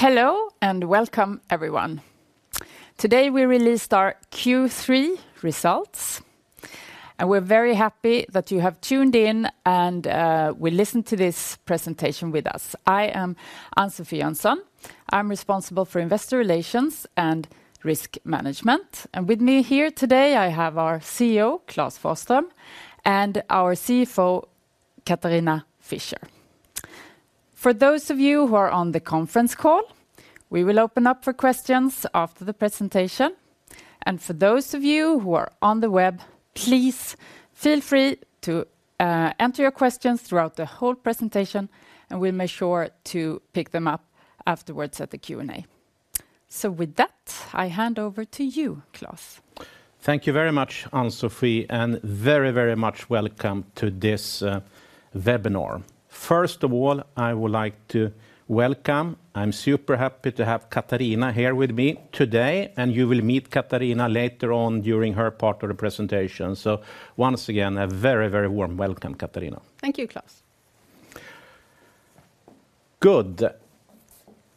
Hello, and welcome, everyone. Today, we released our Q3 results, and we're very happy that you have tuned in and will listen to this presentation with us. I am Ann-Sofi Jönsson. I'm responsible for investor relations and risk management. And with me here today, I have our CEO, Klas Forsström, and our CFO, Katharina Fischer. For those of you who are on the conference call, we will open up for questions after the presentation, and for those of you who are on the web, please feel free to enter your questions throughout the whole presentation, and we'll make sure to pick them up afterwards at the Q&A. So with that, I hand over to you, Klas. Thank you very much, Ann-Sofi, and very, very much welcome to this webinar. First of all, I would like to welcome, I'm super happy to have Katharina here with me today, and you will meet Katharina later on during her part of the presentation. So once again, a very, very warm welcome, Katharina. Thank you, Klas. Good.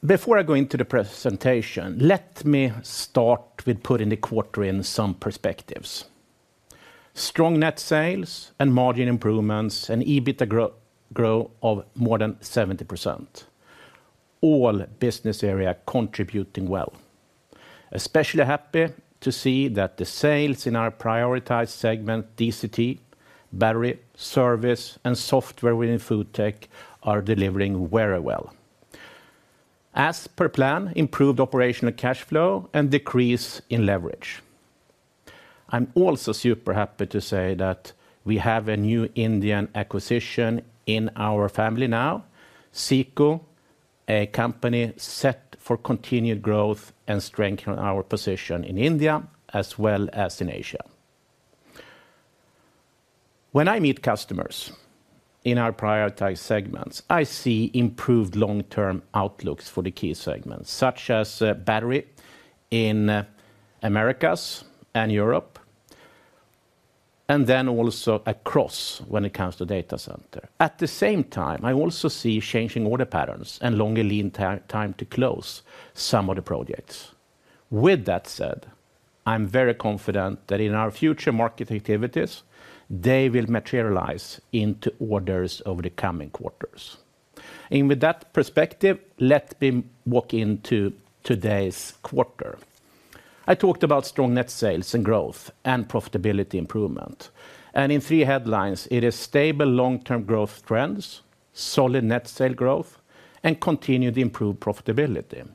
Before I go into the presentation, let me start with putting the quarter in some perspectives. Strong net sales and margin improvements and EBITDA growth of more than 70%. All business area contributing well. Especially happy to see that the sales in our prioritized segment, DCT, battery, service, and software within FoodTech, are delivering very well. As per plan, improved operational cash flow and decrease in leverage. I'm also super happy to say that we have a new Indian acquisition in our family now, ZECO, a company set for continued growth and strengthen our position in India as well as in Asia. When I meet customers in our prioritized segments, I see improved long-term outlooks for the key segments, such as, battery in, Americas and Europe, and then also across when it comes to data center. At the same time, I also see changing order patterns and longer lead time to close some of the projects. With that said, I'm very confident that in our future market activities, they will materialize into orders over the coming quarters. And with that perspective, let me walk into today's quarter. I talked about strong net sales and growth and profitability improvement. And in three headlines, it is stable long-term growth trends, solid net sale growth, and continued improved profitability.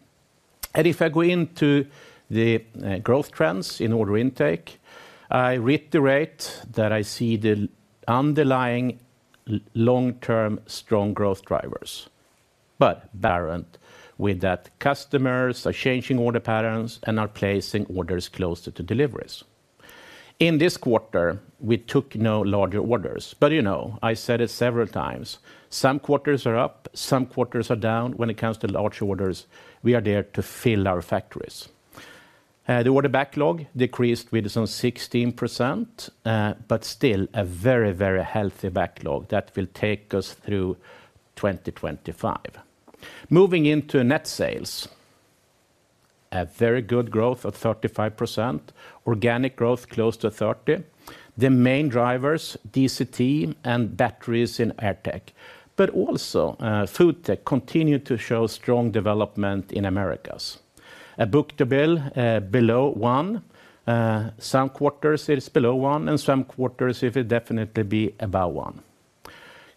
And if I go into the growth trends in order intake, I reiterate that I see the underlying long-term, strong growth drivers, but barring that, customers are changing order patterns and are placing orders closer to deliveries. In this quarter, we took no larger orders, but, you know, I said it several times, some quarters are up, some quarters are down. When it comes to large orders, we are there to fill our factories. The order backlog decreased with some 16%, but still a very, very healthy backlog that will take us through 2025. Moving into net sales, a very good growth of 35%, organic growth, close to 30%. The main drivers, DCT and batteries in AirTech, but also, FoodTech, continue to show strong development in Americas. A book-to-bill below one, some quarters, it is below one, and some quarters, it will definitely be above one.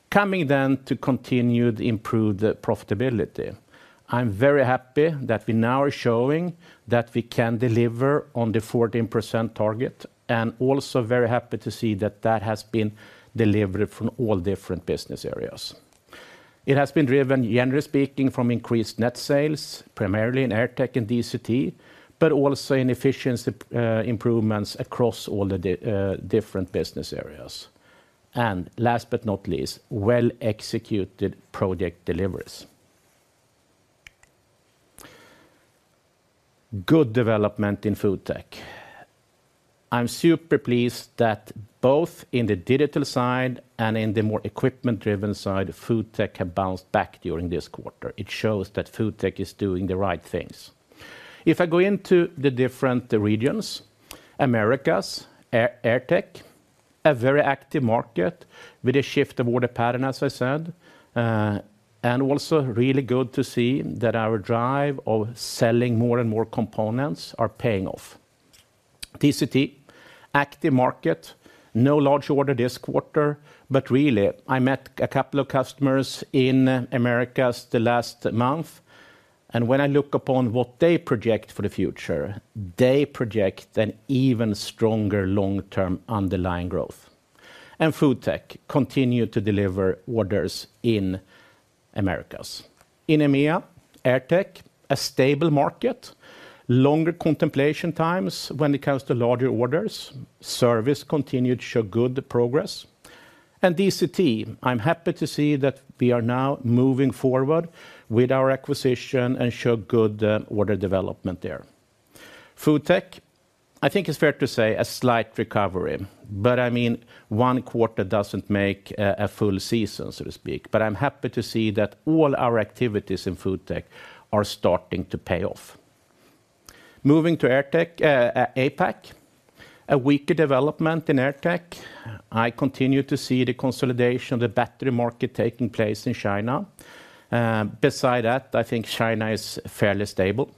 Coming then to continued improved profitability. I'm very happy that we now are showing that we can deliver on the 14% target, and also very happy to see that that has been delivered from all different business areas. It has been driven, generally speaking, from increased net sales, primarily in AirTech and DCT, but also in efficiency improvements across all the different business areas. And last but not least, well-executed project deliveries. Good development in FoodTech. I'm super pleased that both in the digital side and in the more equipment-driven side, FoodTech have bounced back during this quarter. It shows that FoodTech is doing the right things. If I go into the different regions, Americas, AirTech, a very active market with a shift of order pattern, as I said, and also really good to see that our drive of selling more and more components are paying off. DCT, active market, no large order this quarter, but really, I met a couple of customers in Americas the last month, and when I look upon what they project for the future, they project an even stronger long-term underlying growth. FoodTech continues to deliver orders in Americas. In EMEA, AirTech, a stable market, longer contemplation times when it comes to larger orders. Service continued to show good progress. And DCT, I'm happy to see that we are now moving forward with our acquisition and show good order development there. FoodTech, I think it's fair to say, a slight recovery, but, I mean, one quarter doesn't make a full season, so to speak. But I'm happy to see that all our activities in FoodTech are starting to pay off. Moving to AirTech, APAC, a weaker development in AirTech. I continue to see the consolidation of the battery market taking place in China. Beside that, I think China is fairly stable.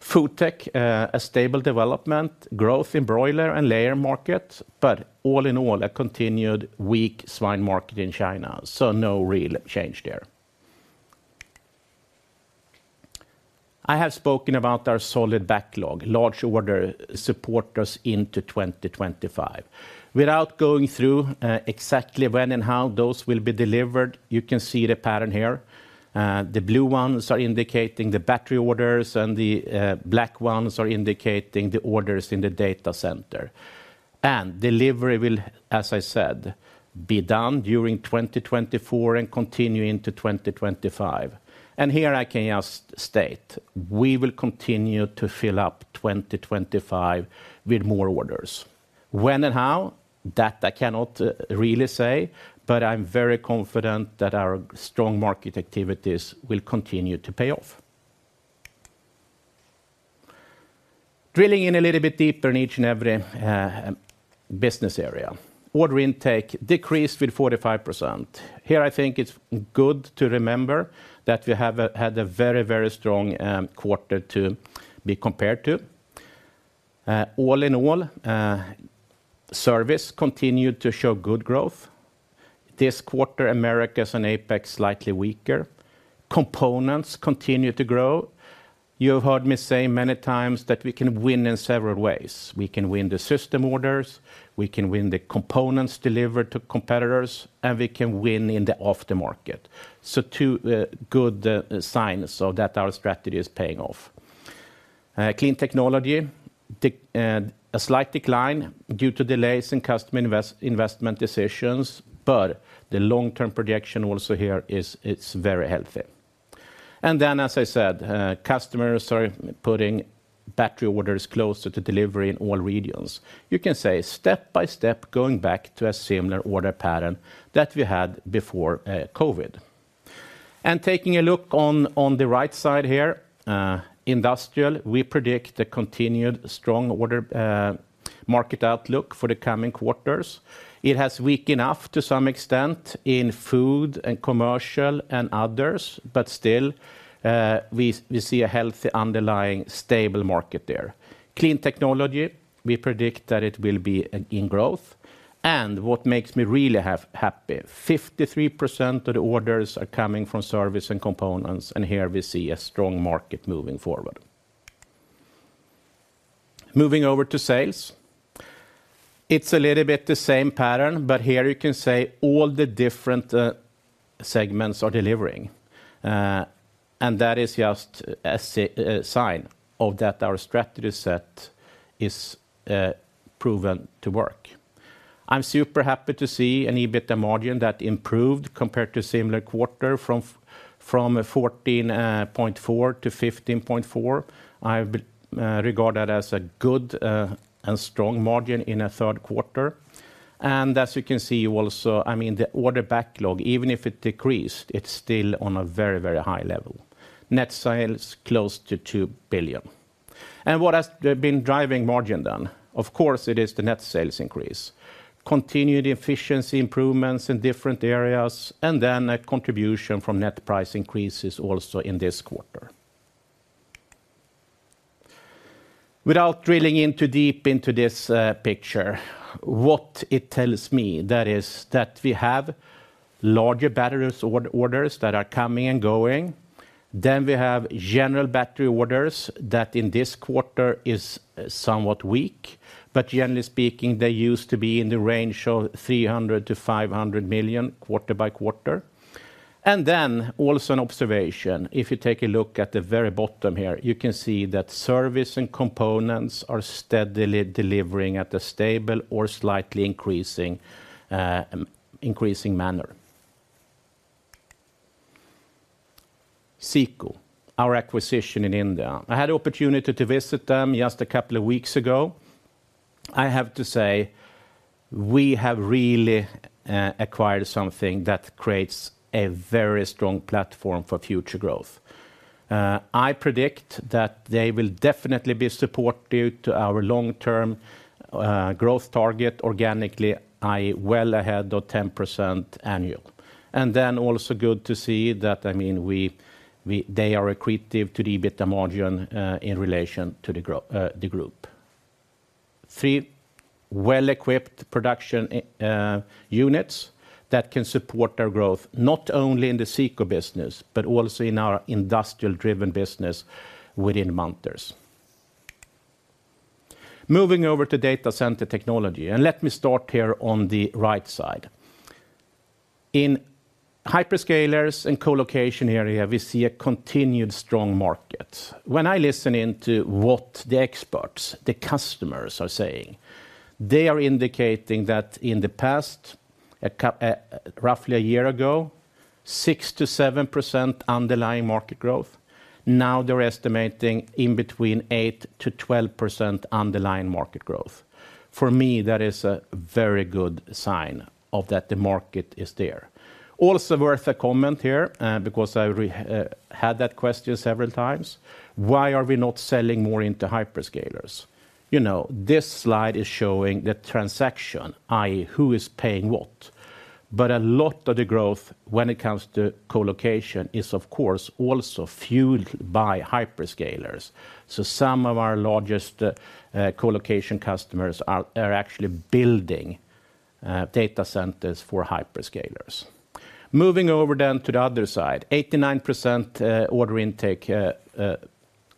FoodTech, a stable development, growth in broiler and layer market, but all in all, a continued weak swine market in China, so no real change there. I have spoken about our solid backlog, large order support us into 2025. Without going through, exactly when and how those will be delivered, you can see the pattern here. The blue ones are indicating the battery orders, and the black ones are indicating the orders in the data center. And delivery will, as I said, be done during 2024 and continue into 2025. And here I can just state, we will continue to fill up 2025 with more orders. When and how? That I cannot really say, but I'm very confident that our strong market activities will continue to pay off. Drilling in a little bit deeper in each and every business area, order intake decreased with 45%. Here, I think it's good to remember that we had a very, very strong quarter to be compared to. All in all, service continued to show good growth. This quarter, Americas and APAC, slightly weaker. Components continue to grow. You have heard me say many times that we can win in several ways. We can win the system orders, we can win the components delivered to competitors, and we can win in the aftermarket. So two good signs so that our strategy is paying off. Clean Technology, a slight decline due to delays in customer investment decisions, but the long-term projection also here is very healthy. And then, as I said, customers are putting battery orders closer to delivery in all regions. You can say step by step, going back to a similar order pattern that we had before COVID. And taking a look on, on the right side here, Industrial, we predict a continued strong order market outlook for the coming quarters. It has weakened off to some extent in food and commercial and others, but still, we see a healthy, underlying, stable market there. Clean Technology, we predict that it will be in growth. And what makes me really happy, 53% of the orders are coming from service and components, and here we see a strong market moving forward. Moving over to sales. It's a little bit the same pattern, but here you can say all the different segments are delivering. And that is just a sign of that our strategy set is proven to work. I'm super happy to see an EBITDA margin that improved compared to similar quarter from 14.4%-15.4%. I regard that as a good and strong margin in a third quarter. And as you can see, also, I mean, the order backlog, even if it decreased, it's still on a very, very high level. Net sales, close to 2 billion. And what has been driving margin, then? Of course, it is the net sales increase, continued efficiency improvements in different areas, and then a contribution from net price increases also in this quarter. Without drilling in too deep into this picture, what it tells me is that we have larger batteries or orders that are coming and going. Then we have general battery orders that in this quarter is somewhat weak, but generally speaking, they used to be in the range of 300 million-500 million, quarter by quarter. Then, also an observation, if you take a look at the very bottom here, you can see that service and components are steadily delivering at a stable or slightly increasing manner. ZECO, our acquisition in India. I had the opportunity to visit them just a couple of weeks ago. I have to say, we have really acquired something that creates a very strong platform for future growth. I predict that they will definitely be supportive to our long-term growth target, organically, well ahead of 10% annual. And then, also good to see that, I mean, they are accretive to the EBITDA margin, in relation to the group. Three well-equipped production units that can support our growth, not only in the ZECO business, but also in our industrial-driven business within Munters. Moving over to data center technology, and let me start here on the right side. In hyperscalers and colocation area, we see a continued strong market. When I listen in to what the experts, the customers are saying, they are indicating that in the past, roughly a year ago, 6%-7% underlying market growth. Now they're estimating in between 8%-12% underlying market growth. For me, that is a very good sign of that the market is there. Also worth a comment here, because I had that question several times: Why are we not selling more into hyperscalers? You know, this slide is showing the transaction, i.e., who is paying what. But a lot of the growth when it comes to colocation is, of course, also fueled by hyperscalers. So some of our largest colocation customers are actually building data centers for hyperscalers. Moving over then to the other side, 89% order intake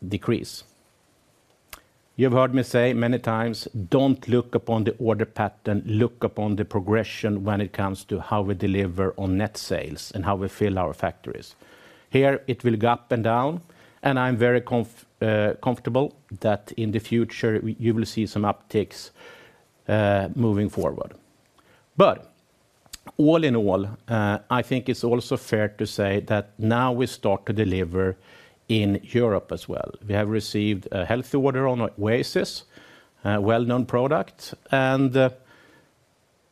decrease. You've heard me say many times, "Don't look upon the order pattern, look upon the progression when it comes to how we deliver on net sales and how we fill our factories." Here, it will go up and down, and I'm very comfortable that in the future, you will see some upticks moving forward. But all in all, I think it's also fair to say that now we start to deliver in Europe as well. We have received a healthy order on Oasis, a well-known product, and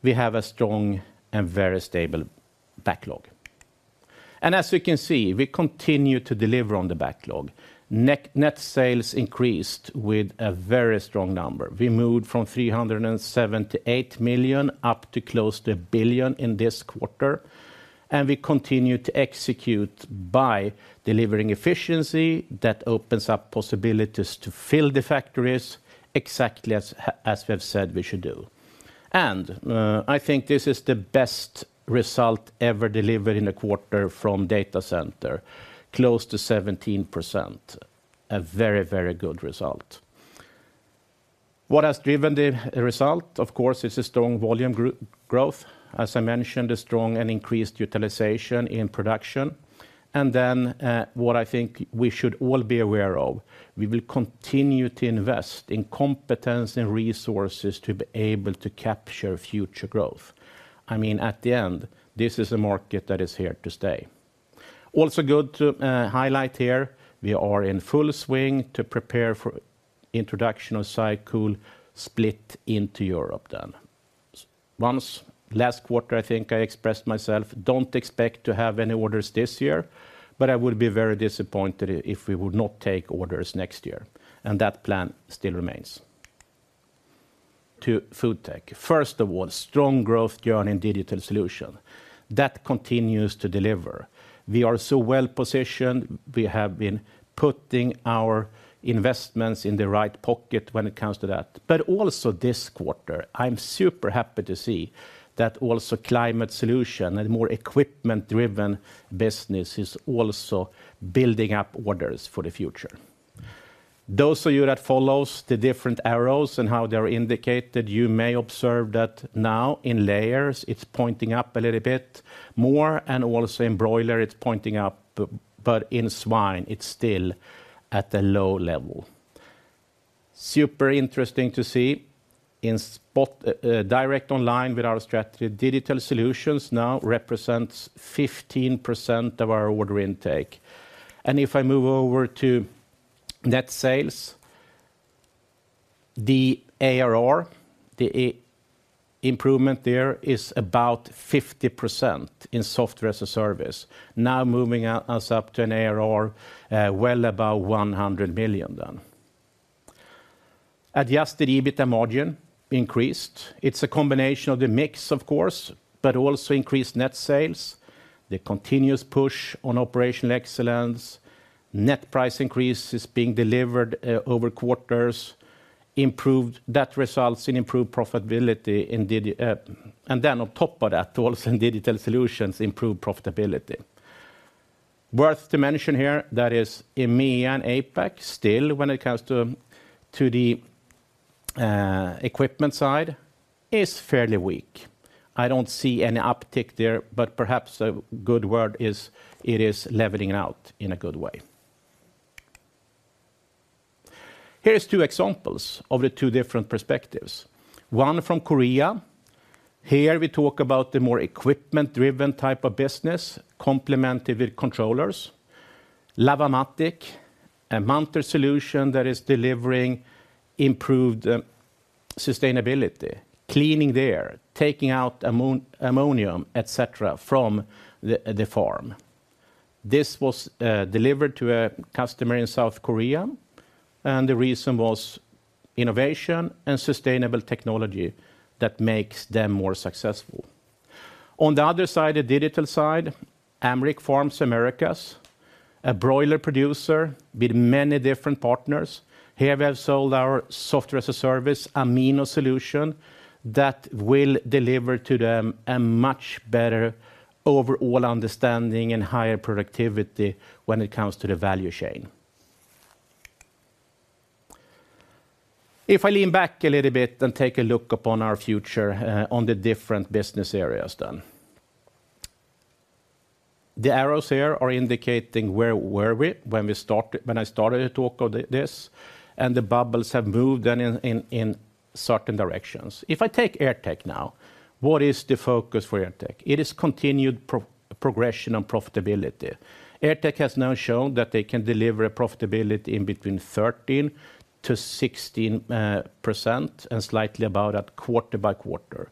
we have a strong and very stable backlog. And as you can see, we continue to deliver on the backlog. Net sales increased with a very strong number. We moved from 378 million up to close to 1 billion in this quarter, and we continue to execute by delivering efficiency that opens up possibilities to fill the factories exactly as we have said we should do. I think this is the best result ever delivered in a quarter from data center, close to 17%. A very, very good result. What has driven the result? Of course, it's a strong volume growth, as I mentioned, a strong and increased utilization in production. And then, what I think we should all be aware of, we will continue to invest in competence and resources to be able to capture future growth. I mean, at the end, this is a market that is here to stay. Also good to highlight here, we are in full swing to prepare for introduction of SyCool Split into Europe then. Once, last quarter, I think I expressed myself, don't expect to have any orders this year, but I would be very disappointed if we would not take orders next year, and that plan still remains. To FoodTech. First of all, strong growth journey in digital solution. That continues to deliver. We are so well positioned. We have been putting our investments in the right pocket when it comes to that. But also this quarter, I'm super happy to see that also climate solution and more equipment-driven business is also building up orders for the future. Those of you that follows the different arrows and how they are indicated, you may observe that now in layers, it's pointing up a little bit more, and also in broiler, it's pointing up, but in swine, it's still at a low level. Super interesting to see in spot, direct online with our strategy, digital solutions now represents 15% of our order intake. And if I move over to net sales, the ARR, the improvement there is about 50% in software as a service, now moving us up to an ARR, well above 100 million then. Adjusted EBITDA margin increased. It's a combination of the mix, of course, but also increased net sales, the continuous push on operational excellence, net price increase is being delivered, over quarters, improved that results in improved profitability in Digi. And then on top of that, also in digital solutions, improved profitability. Worth mentioning here, that is EMEA and APAC, still, when it comes to the equipment side, is fairly weak. I don't see any uptick there, but perhaps a good word is it is leveling out in a good way. Here are two examples of the two different perspectives. One from South Korea. Here, we talk about the more equipment-driven type of business, complemented with controllers. Lavamatic, a Munters solution that is delivering improved sustainability, cleaning the air, taking out ammonium, et cetera, from the farm. This was delivered to a customer in South Korea, and the reason was innovation and sustainable technology that makes them more successful. On the other side, the digital side, Amick Farms Americas, a broiler producer with many different partners. Here, we have sold our software as a service, Amino Solution, that will deliver to them a much better overall understanding and higher productivity when it comes to the value chain. If I lean back a little bit and take a look upon our future, on the different business areas, then. The arrows here are indicating where we were when we started, when I started to talk on this, and the bubbles have moved in certain directions. If I take AirTech now, what is the focus for AirTech? It is continued progression on profitability. AirTech has now shown that they can deliver a profitability in between 13%-16%, and slightly about a quarter by quarter.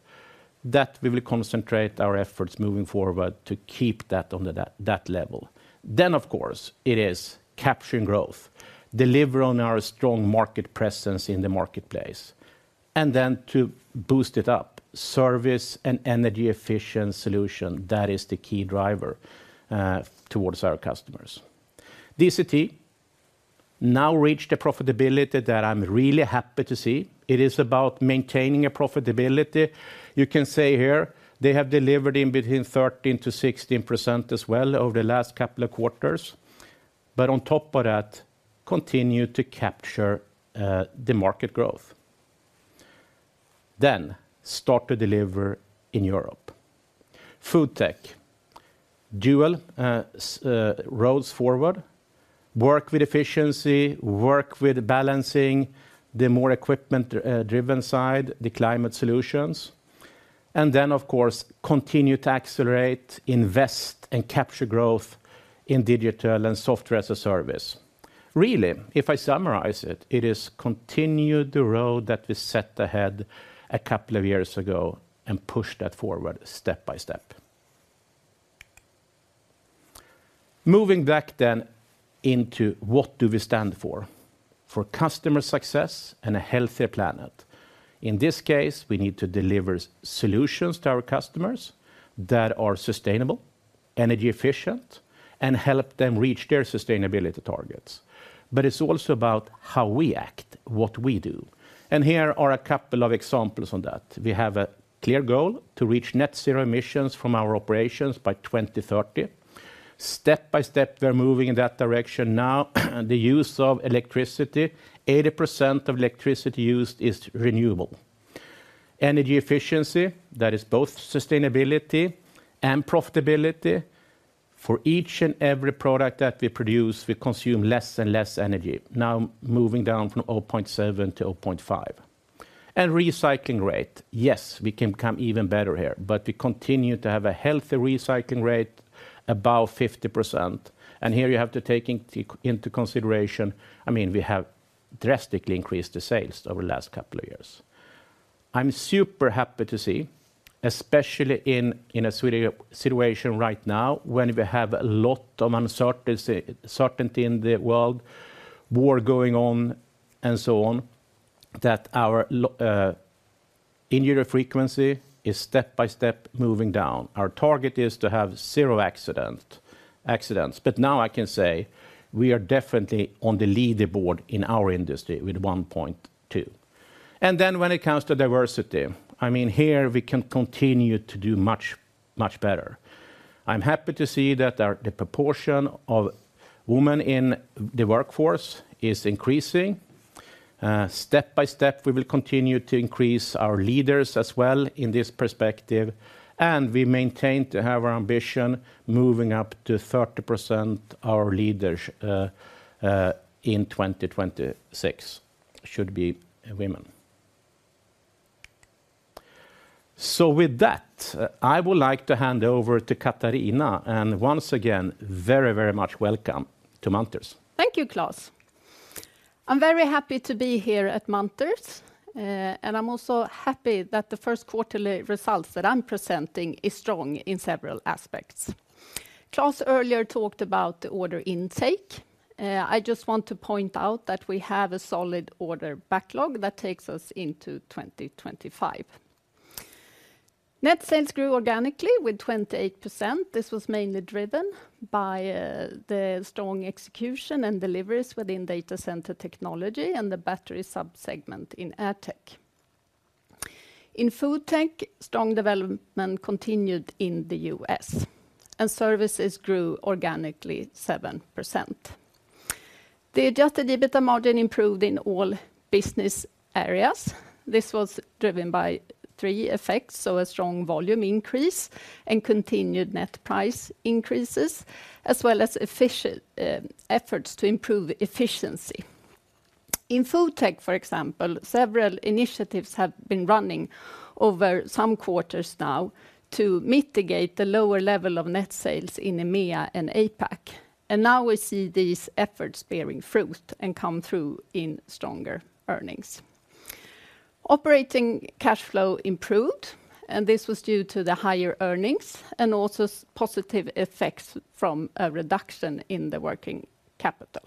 That we will concentrate our efforts moving forward to keep that on the, that, that level. Then, of course, it is capturing growth, deliver on our strong market presence in the marketplace, and then to boost it up, service and energy-efficient solution, that is the key driver towards our customers. DCT now reached a profitability that I'm really happy to see. It is about maintaining a profitability. You can say here, they have delivered in between 13%-16% as well over the last couple of quarters, but on top of that, continue to capture the market growth, then start to deliver in Europe. FoodTech: dual roads forward, work with efficiency, work with balancing the more equipment driven side, the climate solutions, and then, of course, continue to accelerate, invest, and capture growth in digital and software as a service. Really, if I summarize it, it is continue the road that we set ahead a couple of years ago and push that forward step by step. Moving back then into: What do we stand for? For customer success and a healthier planet. In this case, we need to deliver solutions to our customers that are sustainable, energy-efficient, and help them reach their sustainability targets. But it's also about how we act, what we do, and here are a couple of examples on that. We have a clear goal to reach net zero emissions from our operations by 2030. Step by step, we're moving in that direction now, and the use of electricity, 80% of electricity used is renewable. Energy efficiency, that is both sustainability and profitability. For each and every product that we produce, we consume less and less energy, now moving down from 0.7 to 0.5. Recycling rate. Yes, we can become even better here, but we continue to have a healthy recycling rate, about 50%, and here you have to take into consideration, I mean, we have drastically increased the sales over the last couple of years. I'm super happy to see, especially in a situation right now, when we have a lot of uncertainty in the world, war going on, and so on, that our injury frequency is step by step moving down. Our target is to have zero accidents, but now I can say we are definitely on the leaderboard in our industry with 1.2. And then when it comes to diversity, I mean, here, we can continue to do much, much better. I'm happy to see that the proportion of women in the workforce is increasing. Step by step, we will continue to increase our leaders as well in this perspective, and we maintain to have our ambition moving up to 30% our leaders in 2026 should be women. So with that, I would like to hand over to Katharina, and once again, very, very much welcome to Munters. Thank you, Klas. I'm very happy to be here at Munters, and I'm also happy that the first quarterly results that I'm presenting is strong in several aspects. Klas earlier talked about the order intake. I just want to point out that we have a solid order backlog that takes us into 2025. Net sales grew organically with 28%. This was mainly driven by, the strong execution and deliveries within data center technology and the battery sub-segment in AirTech. In FoodTech, strong development continued in the US, and services grew organically 7%. The adjusted EBITDA margin improved in all business areas. This was driven by three effects, so a strong volume increase and continued net price increases, as well as efficient, efforts to improve efficiency. In FoodTech, for example, several initiatives have been running over some quarters now to mitigate the lower level of net sales in EMEA and APAC, and now we see these efforts bearing fruit and come through in stronger earnings. Operating cash flow improved, and this was due to the higher earnings and also positive effects from a reduction in the working capital,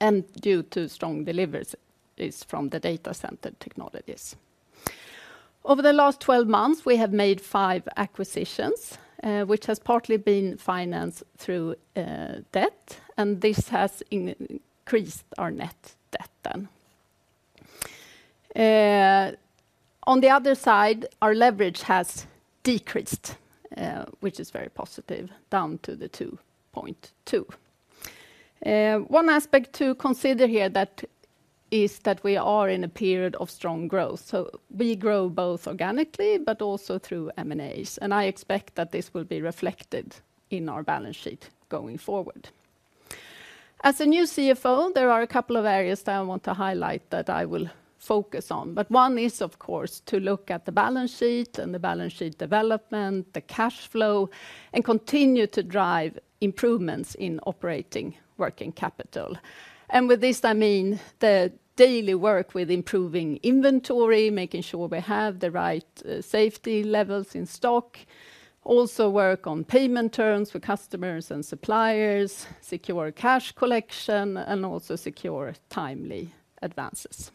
and due to strong deliveries from the Data Center Technologies. Over the last 12 months, we have made five acquisitions, which has partly been financed through debt, and this has increased our net debt then. On the other side, our leverage has decreased, which is very positive, down to the 2.2. One aspect to consider here that is that we are in a period of strong growth, so we grow both organically but also through M&As, and I expect that this will be reflected in our balance sheet going forward. As a new CFO, there are a couple of areas that I want to highlight that I will focus on, but one is, of course, to look at the balance sheet and the balance sheet development, the cash flow, and continue to drive improvements in operating working capital. And with this, I mean the daily work with improving inventory, making sure we have the right safety levels in stock. Also, work on payment terms for customers and suppliers, secure cash collection, and also secure timely advances.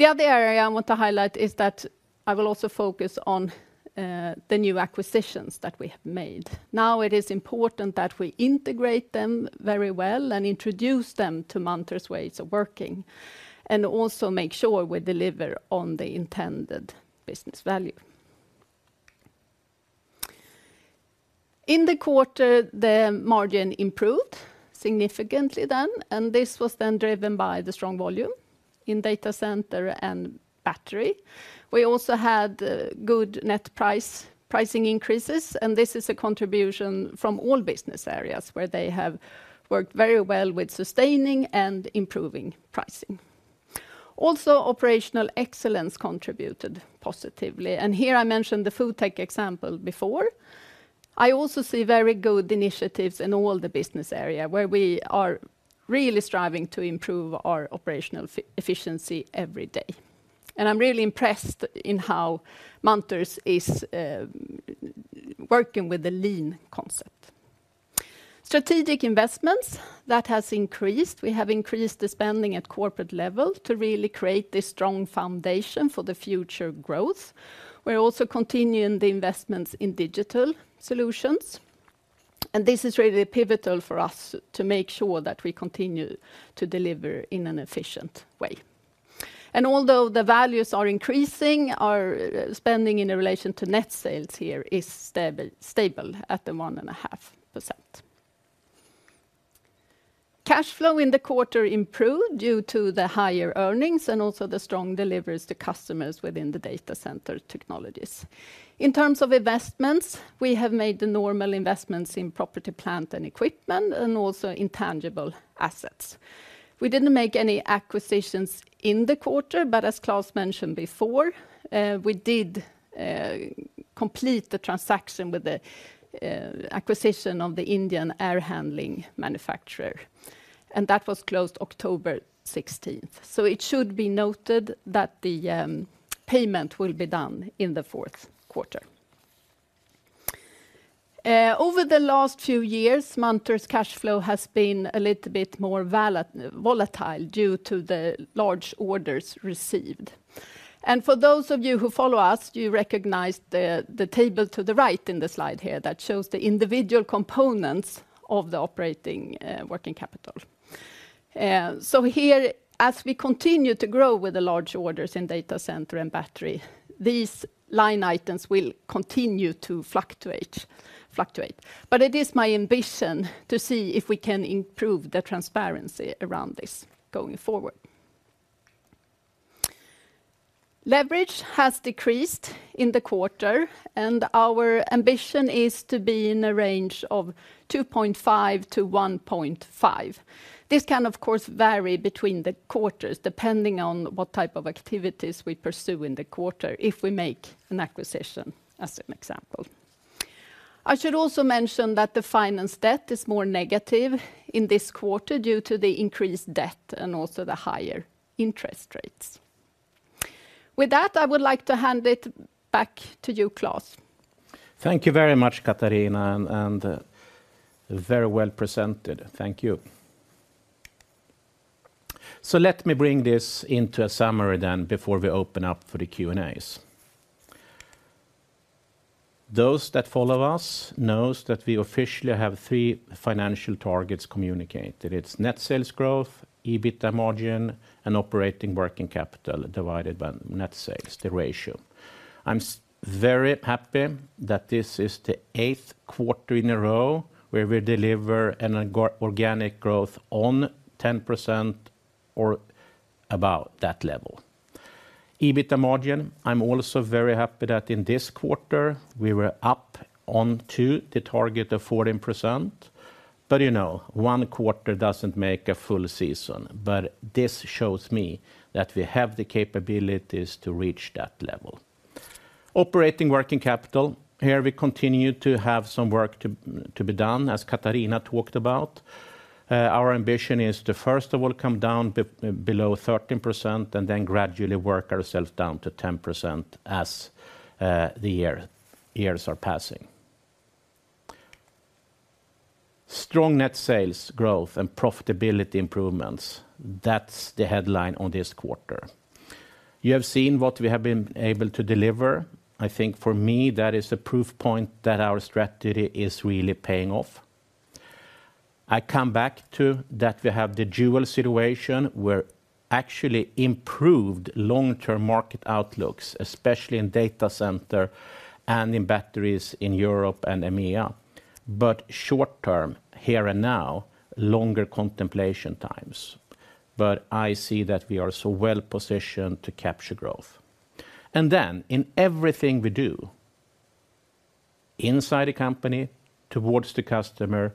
The other area I want to highlight is that I will also focus on the new acquisitions that we have made. Now, it is important that we integrate them very well and introduce them to Munters' ways of working, and also make sure we deliver on the intended business value. In the quarter, the margin improved significantly then, and this was then driven by the strong volume in data center and battery. We also had good net price pricing increases, and this is a contribution from all business areas, where they have worked very well with sustaining and improving pricing. Also, operational excellence contributed positively, and here I mentioned the FoodTech example before. I also see very good initiatives in all the business area, where we are really striving to improve our operational efficiency every day. And I'm really impressed in how Munters is working with the lean concept. Strategic investments, that has increased. We have increased the spending at corporate level to really create this strong foundation for the future growth. We're also continuing the investments in digital solutions, and this is really pivotal for us to make sure that we continue to deliver in an efficient way. And although the values are increasing, our spending in relation to net sales here is stable, stable at the 1.5%. Cash flow in the quarter improved due to the higher earnings and also the strong deliveries to customers within the Data Center Technologies. In terms of investments, we have made the normal investments in property, plant, and equipment, and also intangible assets. We didn't make any acquisitions in the quarter, but as Klas mentioned before, we did complete the transaction with the acquisition of the Indian air handling manufacturer, and that was closed October 16th. It should be noted that the payment will be done in the fourth quarter. Over the last few years, Munters' cash flow has been a little bit more volatile due to the large orders received. For those of you who follow us, you recognize the table to the right in the slide here that shows the individual components of the operating working capital. Here, as we continue to grow with the large orders in data center and battery, these line items will continue to fluctuate. It is my ambition to see if we can improve the transparency around this going forward. Leverage has decreased in the quarter, and our ambition is to be in a range of 2.5-1.5. This can, of course, vary between the quarters, depending on what type of activities we pursue in the quarter, if we make an acquisition, as an example. I should also mention that the finance debt is more negative in this quarter due to the increased debt and also the higher interest rates. With that, I would like to hand it back to you, Klas. Thank you very much, Katharina, very well presented. Thank you. So let me bring this into a summary then, before we open up for the Q&As. Those that follow us knows that we officially have three financial targets communicated: it's net sales growth, EBITDA margin, and operating working capital divided by net sales, the ratio. I'm very happy that this is the eighth quarter in a row where we deliver an organic growth on 10% or about that level. EBITDA margin, I'm also very happy that in this quarter, we were up on to the target of 14%. But, you know, one quarter doesn't make a full season, but this shows me that we have the capabilities to reach that level. Operating working capital, here we continue to have some work to be done, as Katharina talked about. Our ambition is to, first of all, come down below 13%, and then gradually work ourselves down to 10% as the years are passing. Strong net sales growth and profitability improvements, that's the headline on this quarter. You have seen what we have been able to deliver. I think for me, that is a proof point that our strategy is really paying off. I come back to that we have the dual situation, where actually improved long-term market outlooks, especially in data center and in batteries in Europe and EMEA, but short term, here and now, longer contemplation times. But I see that we are so well positioned to capture growth. And then, in everything we do inside a company, towards the customer,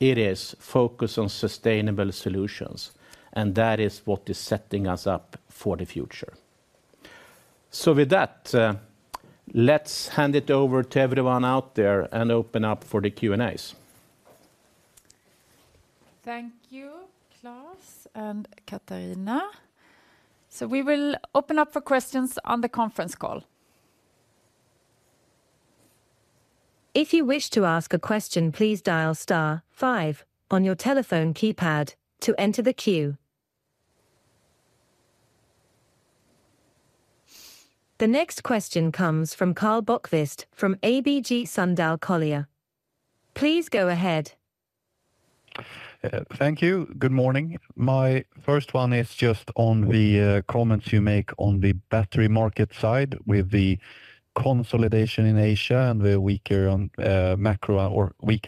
it is focused on sustainable solutions, and that is what is setting us up for the future. So with that, let's hand it over to everyone out there and open up for the Q&As. Thank you, Klas and Katharina. We will open up for questions on the conference call. If you wish to ask a question, please dial star five on your telephone keypad to enter the queue. The next question comes from Karl Bokvist from ABG Sundal Collier. Please go ahead. Thank you. Good morning. My first one is just on the comments you make on the battery market side with the consolidation in Asia, and the weaker,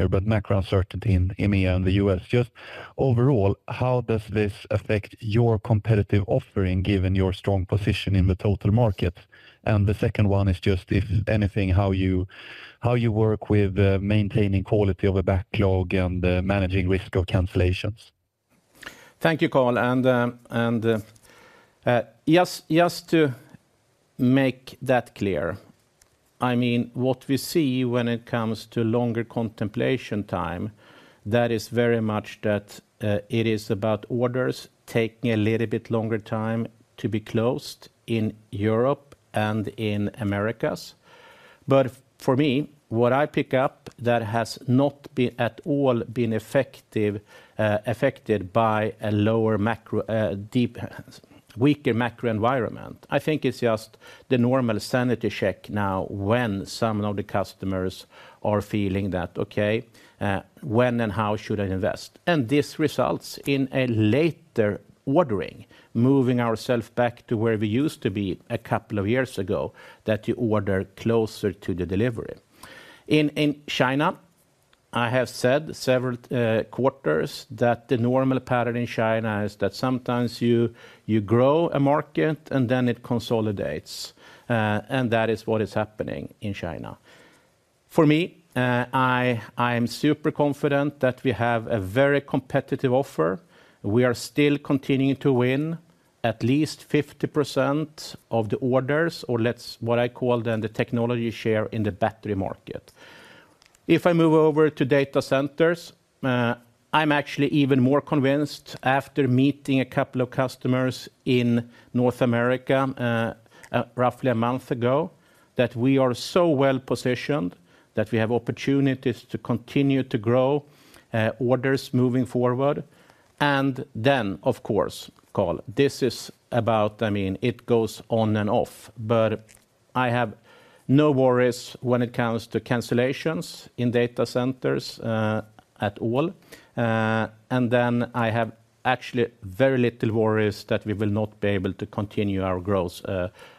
but macro uncertainty in EMEA and the U.S. Just overall, how does this affect your competitive offering, given your strong position in the total market? And the second one is just, if anything, how you work with maintaining quality of a backlog and managing risk of cancellations. Thank you, Karl. Just to make that clear, I mean, what we see when it comes to longer contemplation time, that is very much that it is about orders taking a little bit longer time to be closed in Europe and in Americas. But for me, what I pick up that has not been at all affected by a lower macro, deeper, weaker macro environment, I think it's just the normal sanity check now when some of the customers are feeling that, "Okay, when and how should I invest?" And this results in a later ordering, moving ourself back to where we used to be a couple of years ago, that you order closer to the delivery. In China, I have said several quarters that the normal pattern in China is that sometimes you grow a market, and then it consolidates, and that is what is happening in China. For me, I am super confident that we have a very competitive offer. We are still continuing to win at least 50% of the orders, or let's—what I call then the technology share in the battery market. If I move over to data centers, I'm actually even more convinced after meeting a couple of customers in North America, roughly a month ago, that we are so well-positioned that we have opportunities to continue to grow orders moving forward. And then, of course, Karl, this is about—I mean, it goes on and off, but I have no worries when it comes to cancellations in data centers, at all. And then I have actually very little worries that we will not be able to continue our growth,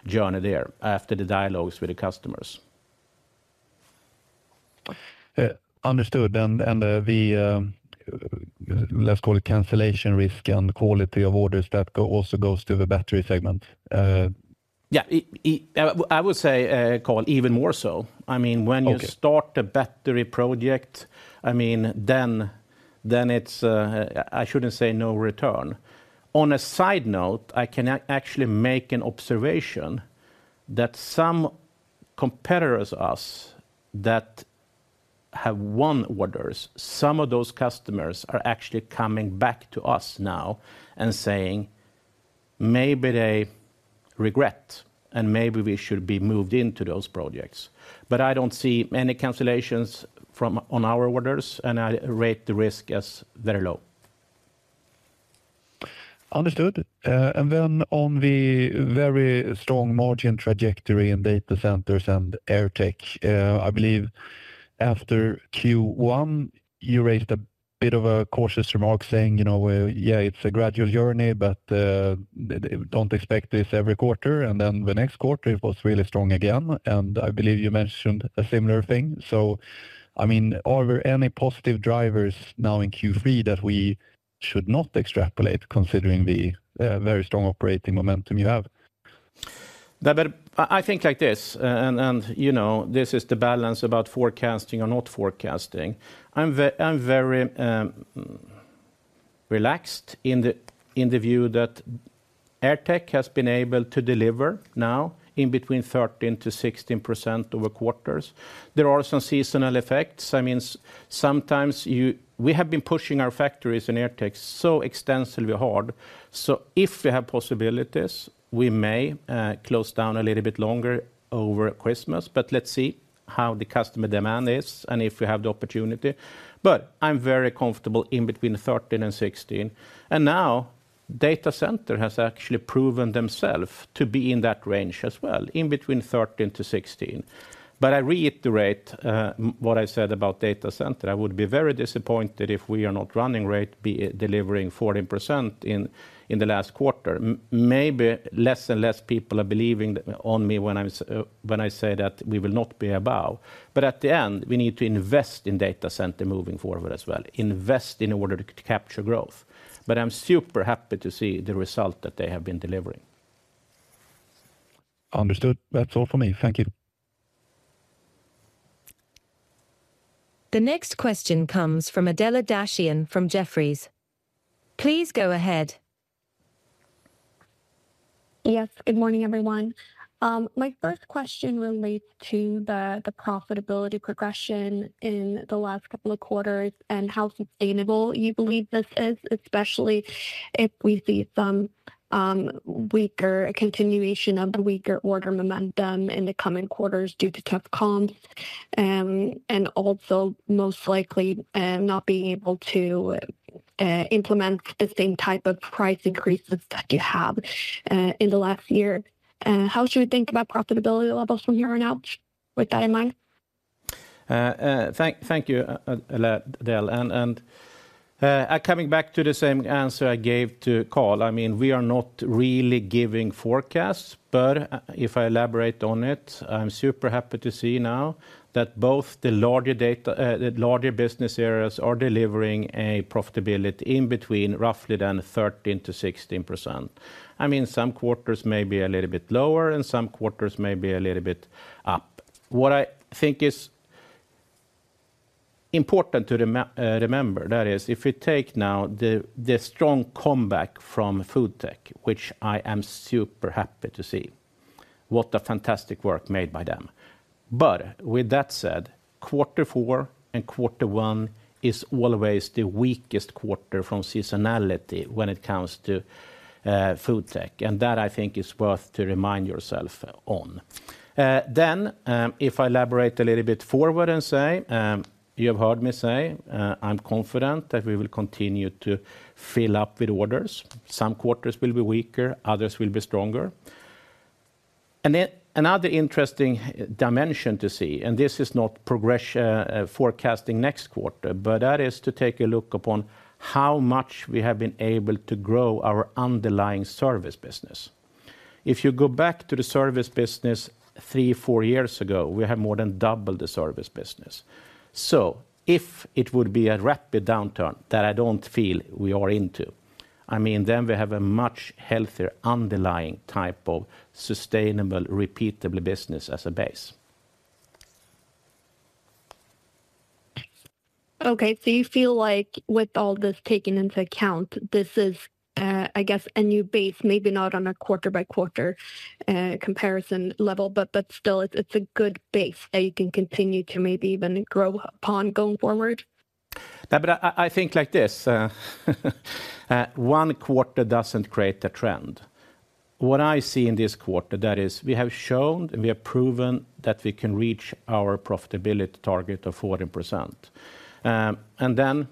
journey there after the dialogues with the customers. Understood. And the let's call it cancellation risk and quality of orders that go, also goes to the battery segment. Yeah, I would say, Karl, even more so. I mean- Okay -when you start a battery project, I mean, then, then it's, I shouldn't say no return. On a side note, I can actually make an observation that some competitors of us that have won orders, some of those customers are actually coming back to us now and saying maybe they regret, and maybe we should be moved into those projects. But I don't see many cancellations from, on our orders, and I rate the risk as very low. Understood. And then on the very strong margin trajectory in data centers and AirTech, I believe after Q1, you raised a bit of a cautious remark saying, you know, "Yeah, it's a gradual journey, but don't expect this every quarter." And then the next quarter, it was really strong again, and I believe you mentioned a similar thing. So, I mean, are there any positive drivers now in Q3 that we should not extrapolate, considering the very strong operating momentum you have? Yeah, but I think like this, and, you know, this is the balance about forecasting or not forecasting. I'm very relaxed in the view that AirTech has been able to deliver now in between 13%-16% over quarters. There are some seasonal effects. I mean, sometimes we have been pushing our factories in AirTech so extensively hard. So if we have possibilities, we may close down a little bit longer over Christmas, but let's see how the customer demand is and if we have the opportunity. But I'm very comfortable in between 13 and 16. And now, data center has actually proven themself to be in that range as well, in between 13%-16%. But I reiterate what I said about data center. I would be very disappointed if we are not running rate, delivering 14% in the last quarter. Maybe less and less people are believing on me when I say that we will not be above. But at the end, we need to invest in data center moving forward as well, invest in order to capture growth. But I'm super happy to see the result that they have been delivering. Understood. That's all for me. Thank you. The next question comes from Adela Dashian from Jefferies. Please go ahead. Yes, good morning, everyone. My first question relates to the profitability progression in the last couple of quarters, and how sustainable you believe this is, especially if we see a continuation of the weaker order momentum in the coming quarters due to tough comps. And also most likely not being able to implement the same type of price increases that you have in the last year. How should we think about profitability levels from here on out with that in mind? Thank you, Adela. And coming back to the same answer I gave to Karl, I mean, we are not really giving forecasts, but if I elaborate on it, I'm super happy to see now that both the larger data, the larger business areas are delivering a profitability in between roughly than 13%-16%. I mean, some quarters may be a little bit lower, and some quarters may be a little bit up. What I think is important to remember, that is, if we take now the strong comeback from FoodTech, which I am super happy to see, what a fantastic work made by them. But with that said, quarter four and quarter one is always the weakest quarter from seasonality when it comes to FoodTech, and that, I think, is worth to remind yourself on. Then, if I elaborate a little bit forward and say, you have heard me say, I'm confident that we will continue to fill up with orders. Some quarters will be weaker, others will be stronger. And then another interesting dimension to see, and this is not progress, forecasting next quarter, but that is to take a look upon how much we have been able to grow our underlying service business. If you go back to the service business three, four years ago, we have more than doubled the service business. So if it would be a rapid downturn that I don't feel we are into, I mean, then we have a much healthier, underlying type of sustainable, repeatable business as a base. Okay, so you feel like with all this taken into account, this is, I guess, a new base, maybe not on a quarter-by-quarter comparison level, but still, it's a good base that you can continue to maybe even grow upon going forward? Yeah, but I think like this, one quarter doesn't create a trend. What I see in this quarter, that is, we have shown and we have proven that we can reach our profitability target of 14%. And then,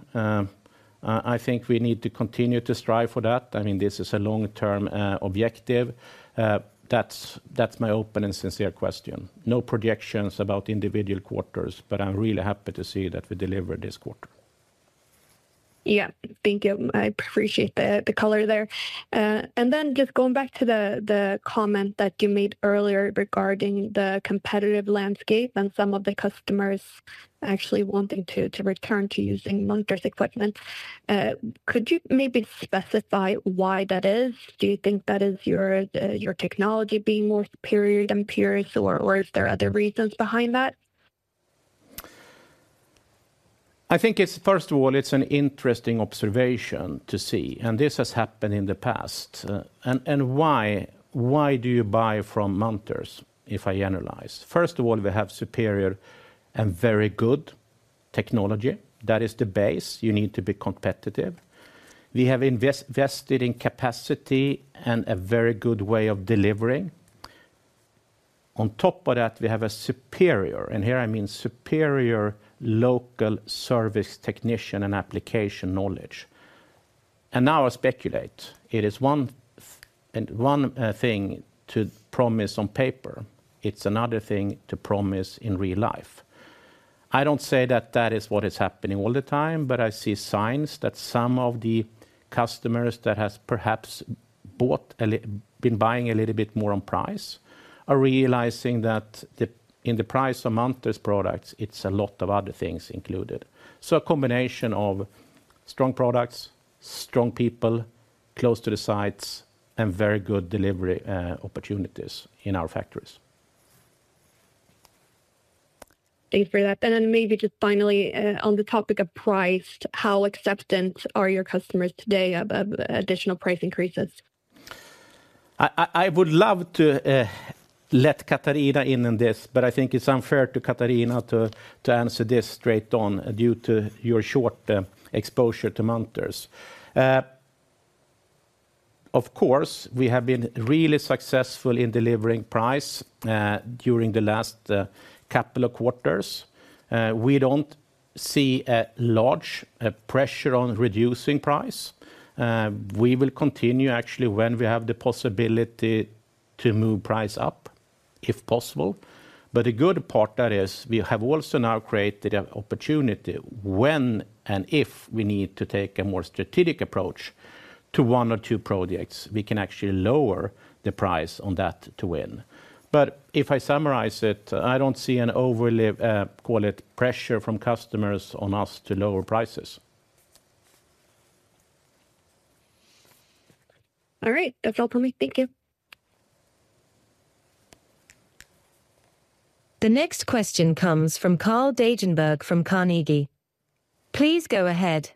I think we need to continue to strive for that. I mean, this is a long-term objective. That's my open and sincere question. No projections about individual quarters, but I'm really happy to see that we delivered this quarter. Yeah. Thank you. I appreciate the color there. Just going back to the comment that you made earlier regarding the competitive landscape and some of the customers actually wanting to return to using Munters equipment. Could you maybe specify why that is? Do you think that is your technology being more superior than peers, or is there other reasons behind that? I think it's first of all, it's an interesting observation to see, and this has happened in the past. And why? Why do you buy from Munters, if I analyze? First of all, we have superior and very good technology. That is the base you need to be competitive. We have invested in capacity and a very good way of delivering. On top of that, we have a superior, and here I mean superior, local service technician and application knowledge. And now I speculate: it is one thing and one thing to promise on paper, it's another thing to promise in real life. I don't say that that is what is happening all the time, but I see signs that some of the customers that has perhaps been buying a little bit more on price are realizing that in the price of Munters products, it's a lot of other things included. So a combination of strong products, strong people, close to the sites, and very good delivery opportunities in our factories. Thank you for that. And then maybe just finally, on the topic of price, how acceptant are your customers today of additional price increases? I would love to let Katharina in on this, but I think it's unfair to Katharina to answer this straight on, due to your short exposure to Munters. Of course, we have been really successful in delivering price during the last couple of quarters. We don't see a large pressure on reducing price. We will continue, actually, when we have the possibility to move price up, if possible. But the good part, that is, we have also now created an opportunity when and if we need to take a more strategic approach to one or two projects, we can actually lower the price on that to win. But if I summarize it, I don't see an overly call it, pressure from customers on us to lower prices. All right, that's all for me. Thank you. The next question comes from Carl Deijenberg from Carnegie. Please go ahead.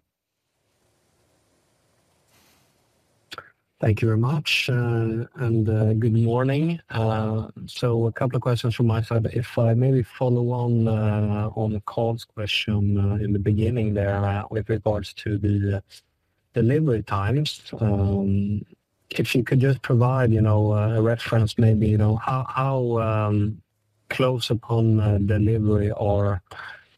Thank you very much, and, good morning. So a couple of questions from my side. If I maybe follow on, on Karl's question, in the beginning there, with regards to the, delivery times. If you could just provide, you know, a reference, maybe, you know, how close upon, delivery are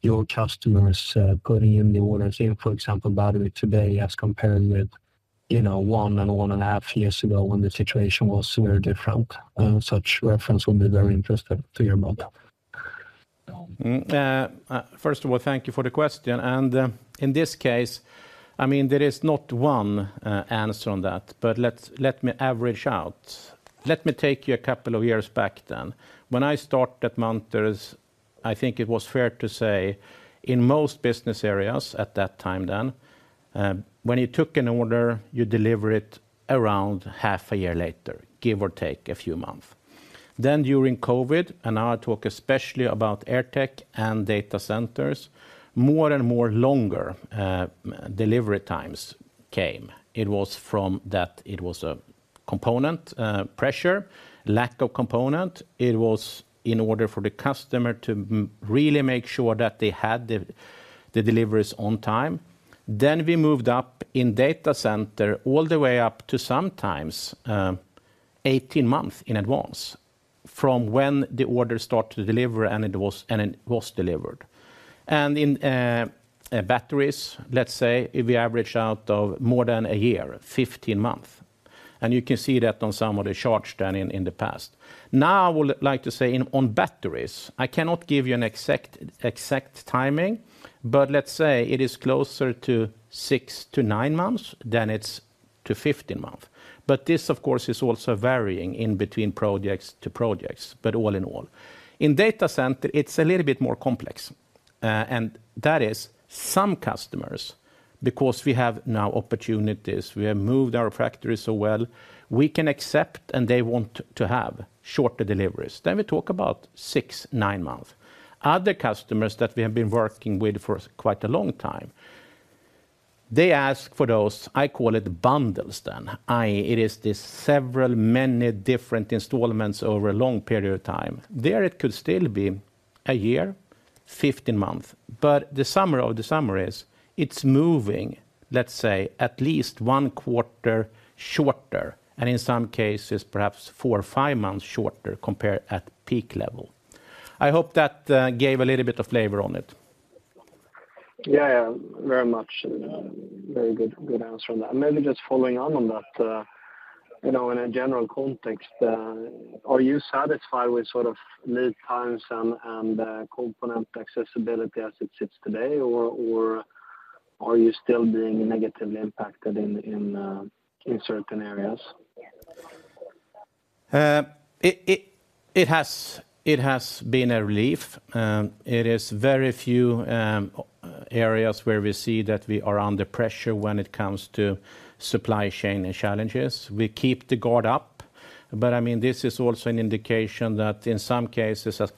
your customers, putting in the orders in, for example, battery today as comparing with, you know, one and a half years ago when the situation was very different? Such reference will be very interesting to hear about. First of all, thank you for the question. In this case, I mean, there is not one answer on that, but let me average out. Let me take you a couple of years back then. When I start at Munters, I think it was fair to say, in most business areas at that time then, when you took an order, you deliver it around half a year later, give or take a few months. Then during COVID, and now I talk especially about AirTech and data centers, more and more longer delivery times came. It was from that, it was a component pressure, lack of components. It was in order for the customer to really make sure that they had the deliveries on time. Then we moved up in data center all the way up to sometimes 18 months in advance from when the order start to deliver, and it was delivered. And in batteries, let's say, if we average out more than a year, 15 months, and you can see that on some of the charts done in the past. Now, I would like to say in, on batteries, I cannot give you an exact timing, but let's say it is closer to 6-9 months than it's to 15 months. But this, of course, is also varying in between projects to projects, but all in all. In data center, it's a little bit more complex, and that is some customers, because we have now opportunities, we have moved our factory so well, we can accept, and they want to have shorter deliveries. Then we talk about 6-9 months. Other customers that we have been working with for quite a long time, they ask for those, I call it bundles then, i.e., it is this several, many different installments over a long period of time. There, it could still be a year, 15 months. But the summary of the summary is, it's moving, let's say, at least 1 quarter shorter, and in some cases, perhaps four or five months shorter compared at peak level. I hope that gave a little bit of labor on it. Yeah, yeah, very much. Very good, good answer on that. And maybe just following on that, you know, in a general context, are you satisfied with sort of lead times and component accessibility as it sits today, or are you still being negatively impacted in certain areas? It has been a relief. It is very few areas where we see that we are under pressure when it comes to supply chain and challenges. We keep the guard up, but, I mean, this is also an indication that in some cases, as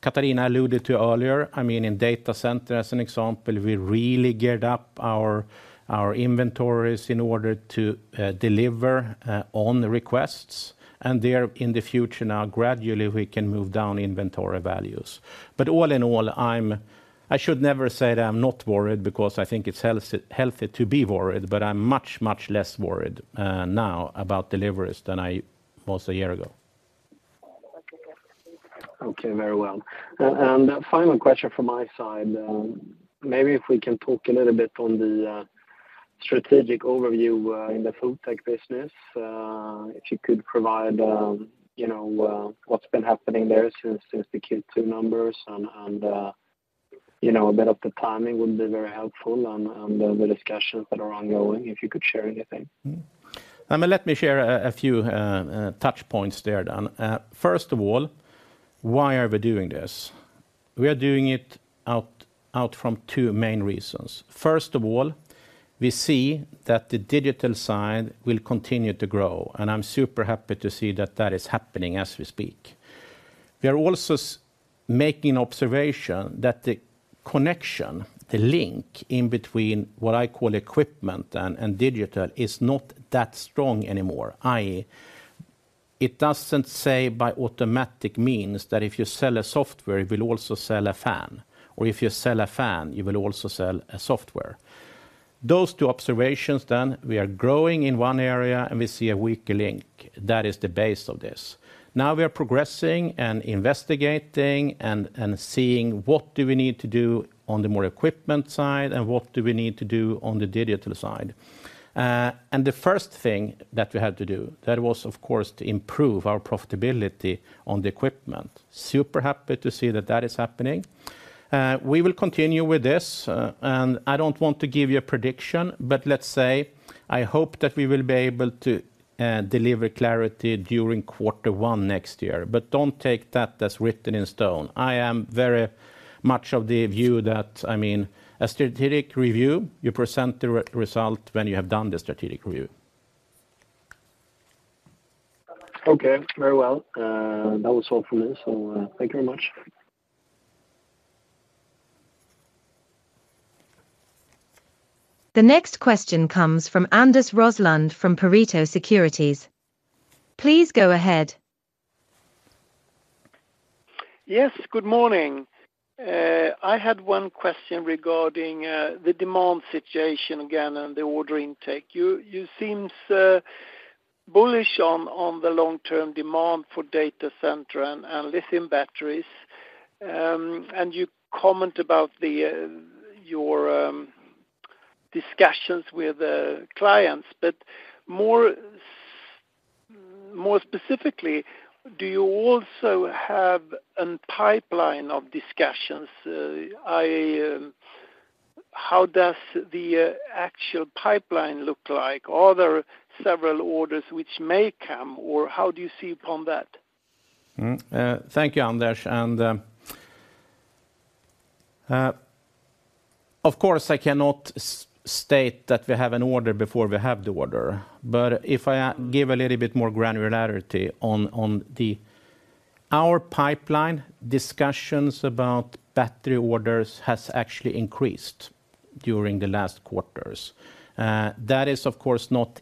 Katharina alluded to earlier, I mean, in data center, as an example, we really geared up our inventories in order to deliver on the requests, and there in the future now, gradually, we can move down inventory values. But all in all, I'm—I should never say that I'm not worried, because I think it's healthy to be worried, but I'm much, much less worried now about deliveries than I was a year ago. Okay, very well. And final question from my side. Maybe if we can talk a little bit on the strategic overview in the FoodTech business. If you could provide, you know, what's been happening there since the Q2 numbers and, you know, a bit of the timing would be very helpful on the discussions that are ongoing, if you could share anything. Let me share a few touchpoints there then. First of all, why are we doing this? We are doing it out from two main reasons. First of all, we see that the digital side will continue to grow, and I'm super happy to see that that is happening as we speak. We are also making observation that the connection, the link in between what I call equipment and digital, is not that strong anymore, i.e., it doesn't say by automatic means that if you sell a software, you will also sell a fan, or if you sell a fan, you will also sell a software. Those two observations, then, we are growing in one area, and we see a weaker link. That is the base of this. Now, we are progressing and investigating and seeing what do we need to do on the more equipment side, and what do we need to do on the digital side. And the first thing that we had to do, that was, of course, to improve our profitability on the equipment. Super happy to see that that is happening. We will continue with this, and I don't want to give you a prediction, but let's say I hope that we will be able to deliver clarity during quarter one next year, but don't take that as written in stone. I am very much of the view that, I mean, a strategic review, you present the result when you have done the strategic review. Okay, very well. That was all from me, so, thank you very much. The next question comes from Anders Roslund from Pareto Securities. Please go ahead. Yes, good morning. I had one question regarding the demand situation again and the order intake. You seems bullish on the long-term demand for data center and lithium batteries. And you comment about your discussions with clients, but more specifically, do you also have a pipeline of discussions? How does the actual pipeline look like? Are there several orders which may come, or how do you see upon that? Thank you, Anders. And, of course, I cannot state that we have an order before we have the order, but if I give a little bit more granularity on the—Our pipeline discussions about battery orders has actually increased during the last quarters. That is, of course, not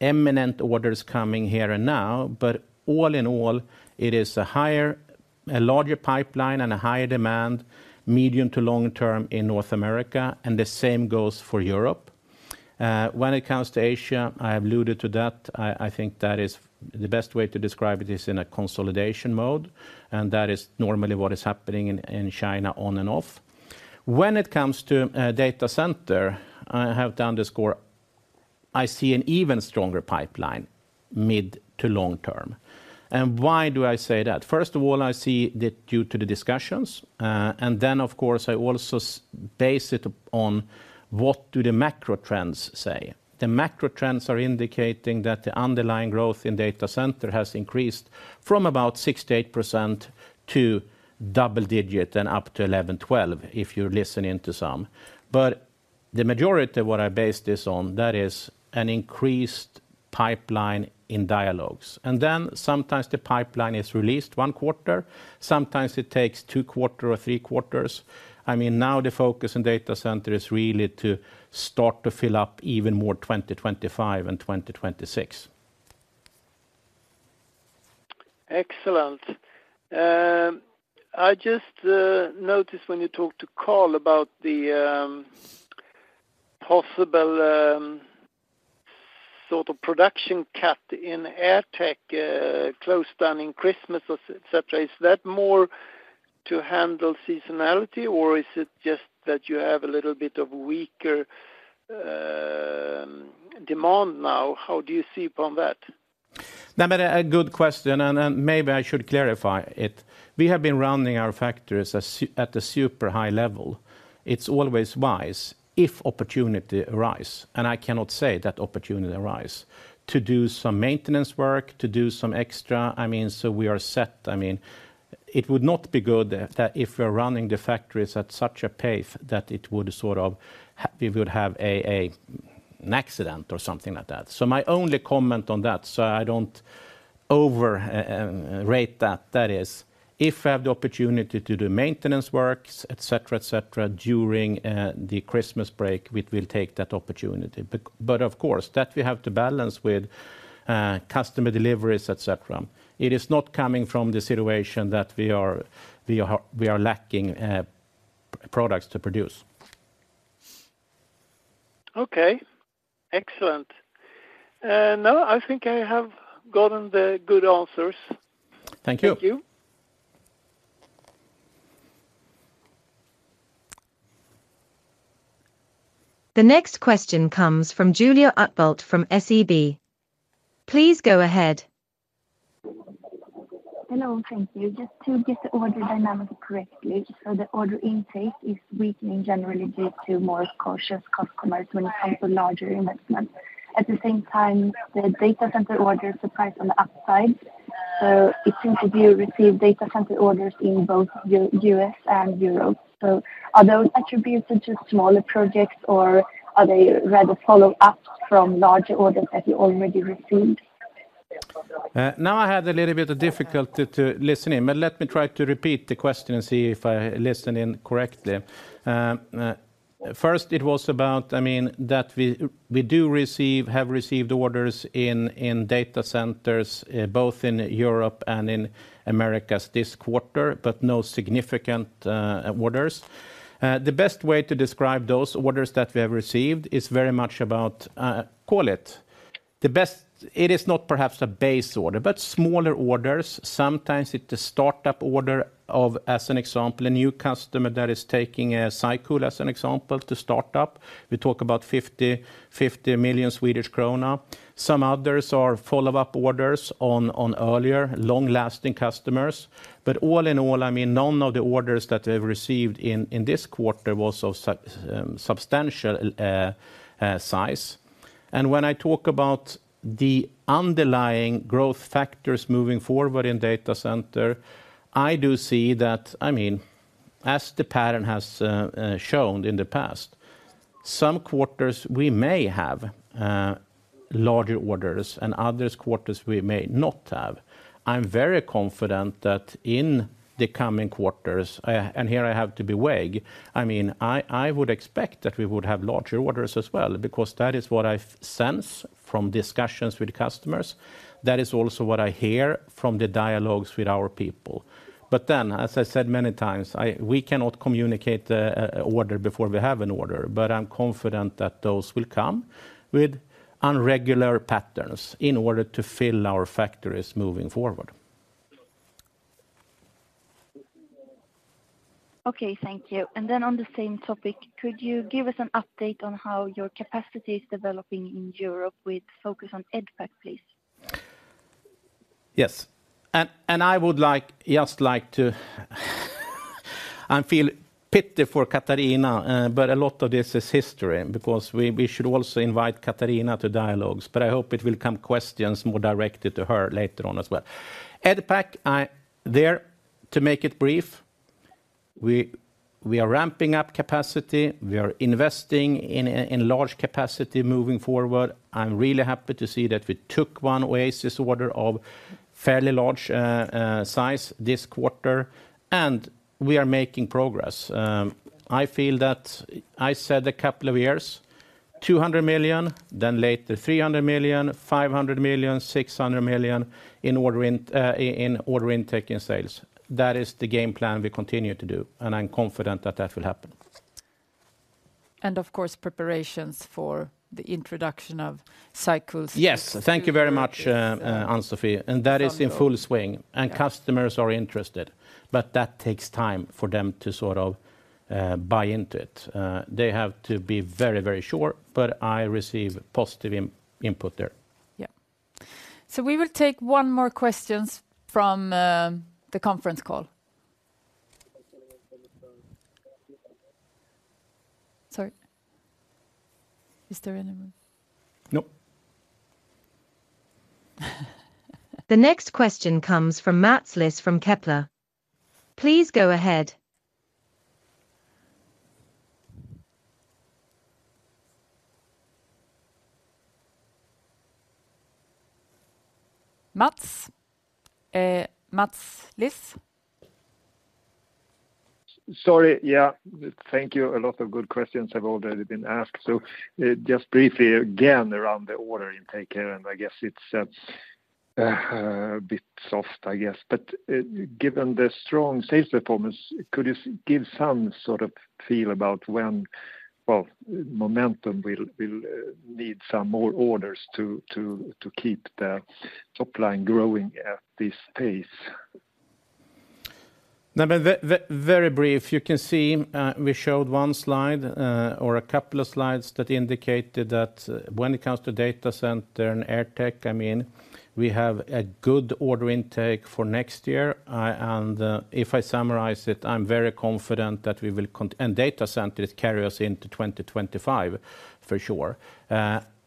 imminent orders coming here and now, but all in all, it is a higher—a larger pipeline and a higher demand, medium to long term in North America, and the same goes for Europe. When it comes to Asia, I have alluded to that. I think that is the best way to describe it, is in a consolidation mode, and that is normally what is happening in China, on and off. When it comes to data center, I have to underscore, I see an even stronger pipeline, mid- to long-term. And why do I say that? First of all, I see that due to the discussions and then, of course, I also base it on what do the macro trends say? The macro trends are indicating that the underlying growth in data center has increased from about 68% to double-digit and up to 11, 12, if you listen in to some. The majority of what I base this on, that is an increased pipeline in dialogues, and then sometimes the pipeline is released one quarter, sometimes it takes two quarter or three quarters. I mean, now the focus in data center is really to start to fill up even more, 2025 and 2026. Excellent. I just noticed when you talked to Karl about the possible sort of production cut in AirTech, close down in Christmas, et cetera. Is that more to handle seasonality, or is it just that you have a little bit of weaker demand now? How do you see upon that? No, but a good question, and then maybe I should clarify it. We have been running our factories at a super high level. It's always wise, if opportunity arise, and I cannot say that opportunity arise, to do some maintenance work, to do some extra. I mean, so we are set. I mean, it would not be good if that, if we're running the factories at such a pace that it would sort of we would have an accident or something like that. So my only comment on that, so I don't overrate that, that is, if I have the opportunity to do maintenance works, et cetera, et cetera, during the Christmas break, we, we'll take that opportunity. But of course, that we have to balance with customer deliveries, et cetera. It is not coming from the situation that we are lacking products to produce. Okay, excellent. No, I think I have gotten the good answers. Thank you. Thank you. The next question comes from Julia Utbult from SEB. Please go ahead. Hello, thank you. Just to get the order dynamics correctly, so the order intake is weakening generally due to more cautious customers when it comes to larger investments. At the same time, the data center orders surprised on the upside, so it seems that you receive data center orders in both U.S. and Europe. So are those attributable to smaller projects, or are they rather follow-ups from larger orders that you already received? Now, I had a little bit of difficulty listening, but let me try to repeat the question and see if I listened correctly. First, it was about, I mean, that we have received orders in data centers both in Europe and in Americas this quarter, but no significant orders. The best way to describe those orders that we have received is very much about call it. It is not perhaps a base order, but smaller orders. Sometimes it's a startup order of, as an example, a new customer that is taking a cycle, as an example, to start up. We talk about 50 million Swedish krona. Some others are follow-up orders on earlier, long-lasting customers. All in all, I mean, none of the orders that we've received in this quarter was of substantial size. When I talk about the underlying growth factors moving forward in data center, I do see that I mean as the pattern has shown in the past, some quarters we may have larger orders, and other quarters we may not have. I'm very confident that in the coming quarters, and here I have to be vague, I mean, I would expect that we would have larger orders as well, because that is what I sense from discussions with customers. That is also what I hear from the dialogues with our people. But then, as I said many times, we cannot communicate order before we have an order. I'm confident that those will come with irregular patterns in order to fill our factories moving forward. Okay, thank you. And then on the same topic, could you give us an update on how your capacity is developing in Europe with focus on EDPAC, please? Yes. I would like, just like to, I feel pity for Katharina, but a lot of this is history, because we should also invite Katharina to dialogues, but I hope it will come questions more directed to her later on as well. EDPAC, to make it brief, we are ramping up capacity. We are investing in large capacity moving forward. I'm really happy to see that we took one Oasis order of fairly large size this quarter, and we are making progress. I feel that I said a couple of years, 200 million, then later 300 million, 500 million, 600 million, in order intake in sales. That is the game plan we continue to do, and I'm confident that that will happen. Of course, preparations for the introduction of cycles. Yes, thank you very much, Ann-Sofi, and that is in full swing, and customers are interested. But that takes time for them to sort of buy into it. They have to be very, very sure, but I receive positive input there. Yeah. So we will take one more questions from the conference call. Sorry. Is there any more? Nope. The next question comes from Mats Liss from Kepler. Please go ahead. Mats, Mats Liss? Sorry, yeah. Thank you. A lot of good questions have already been asked. So, just briefly, again, around the order intake, and I guess it's a bit soft, I guess. But, given the strong sales performance, could you give some sort of feel about when momentum will need some more orders to keep the top line growing at this pace? No, but very brief. You can see, we showed one slide, or a couple of slides that indicated that when it comes to data center and AirTech, I mean, we have a good order intake for next year. I and, if I summarize it, I'm very confident that we will and data centers carry us into 2025, for sure.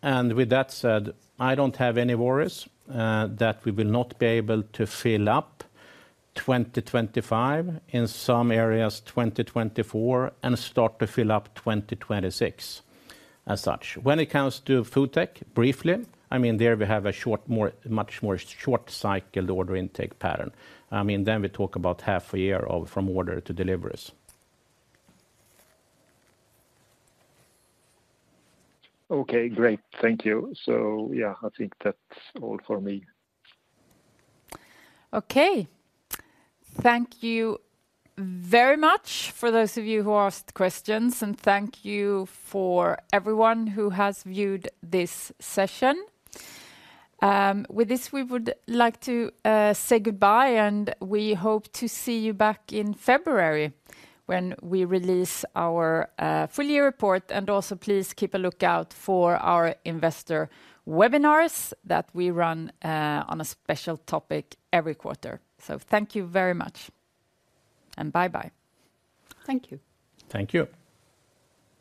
And with that said, I don't have any worries, that we will not be able to fill up 2025, in some areas 2024, and start to fill up 2026, as such. When it comes to FoodTech, briefly, I mean, there we have a short, more, much more short cycle order intake pattern. I mean, then we talk about half a year of from order to deliveries. Okay, great. Thank you. So yeah, I think that's all for me. Okay. Thank you very much for those of you who asked questions, and thank you for everyone who has viewed this session. With this, we would like to say goodbye, and we hope to see you back in February when we release our full year report. Also, please keep a lookout for our investor webinars that we run on a special topic every quarter. Thank you very much, and bye-bye. Thank you. Thank you.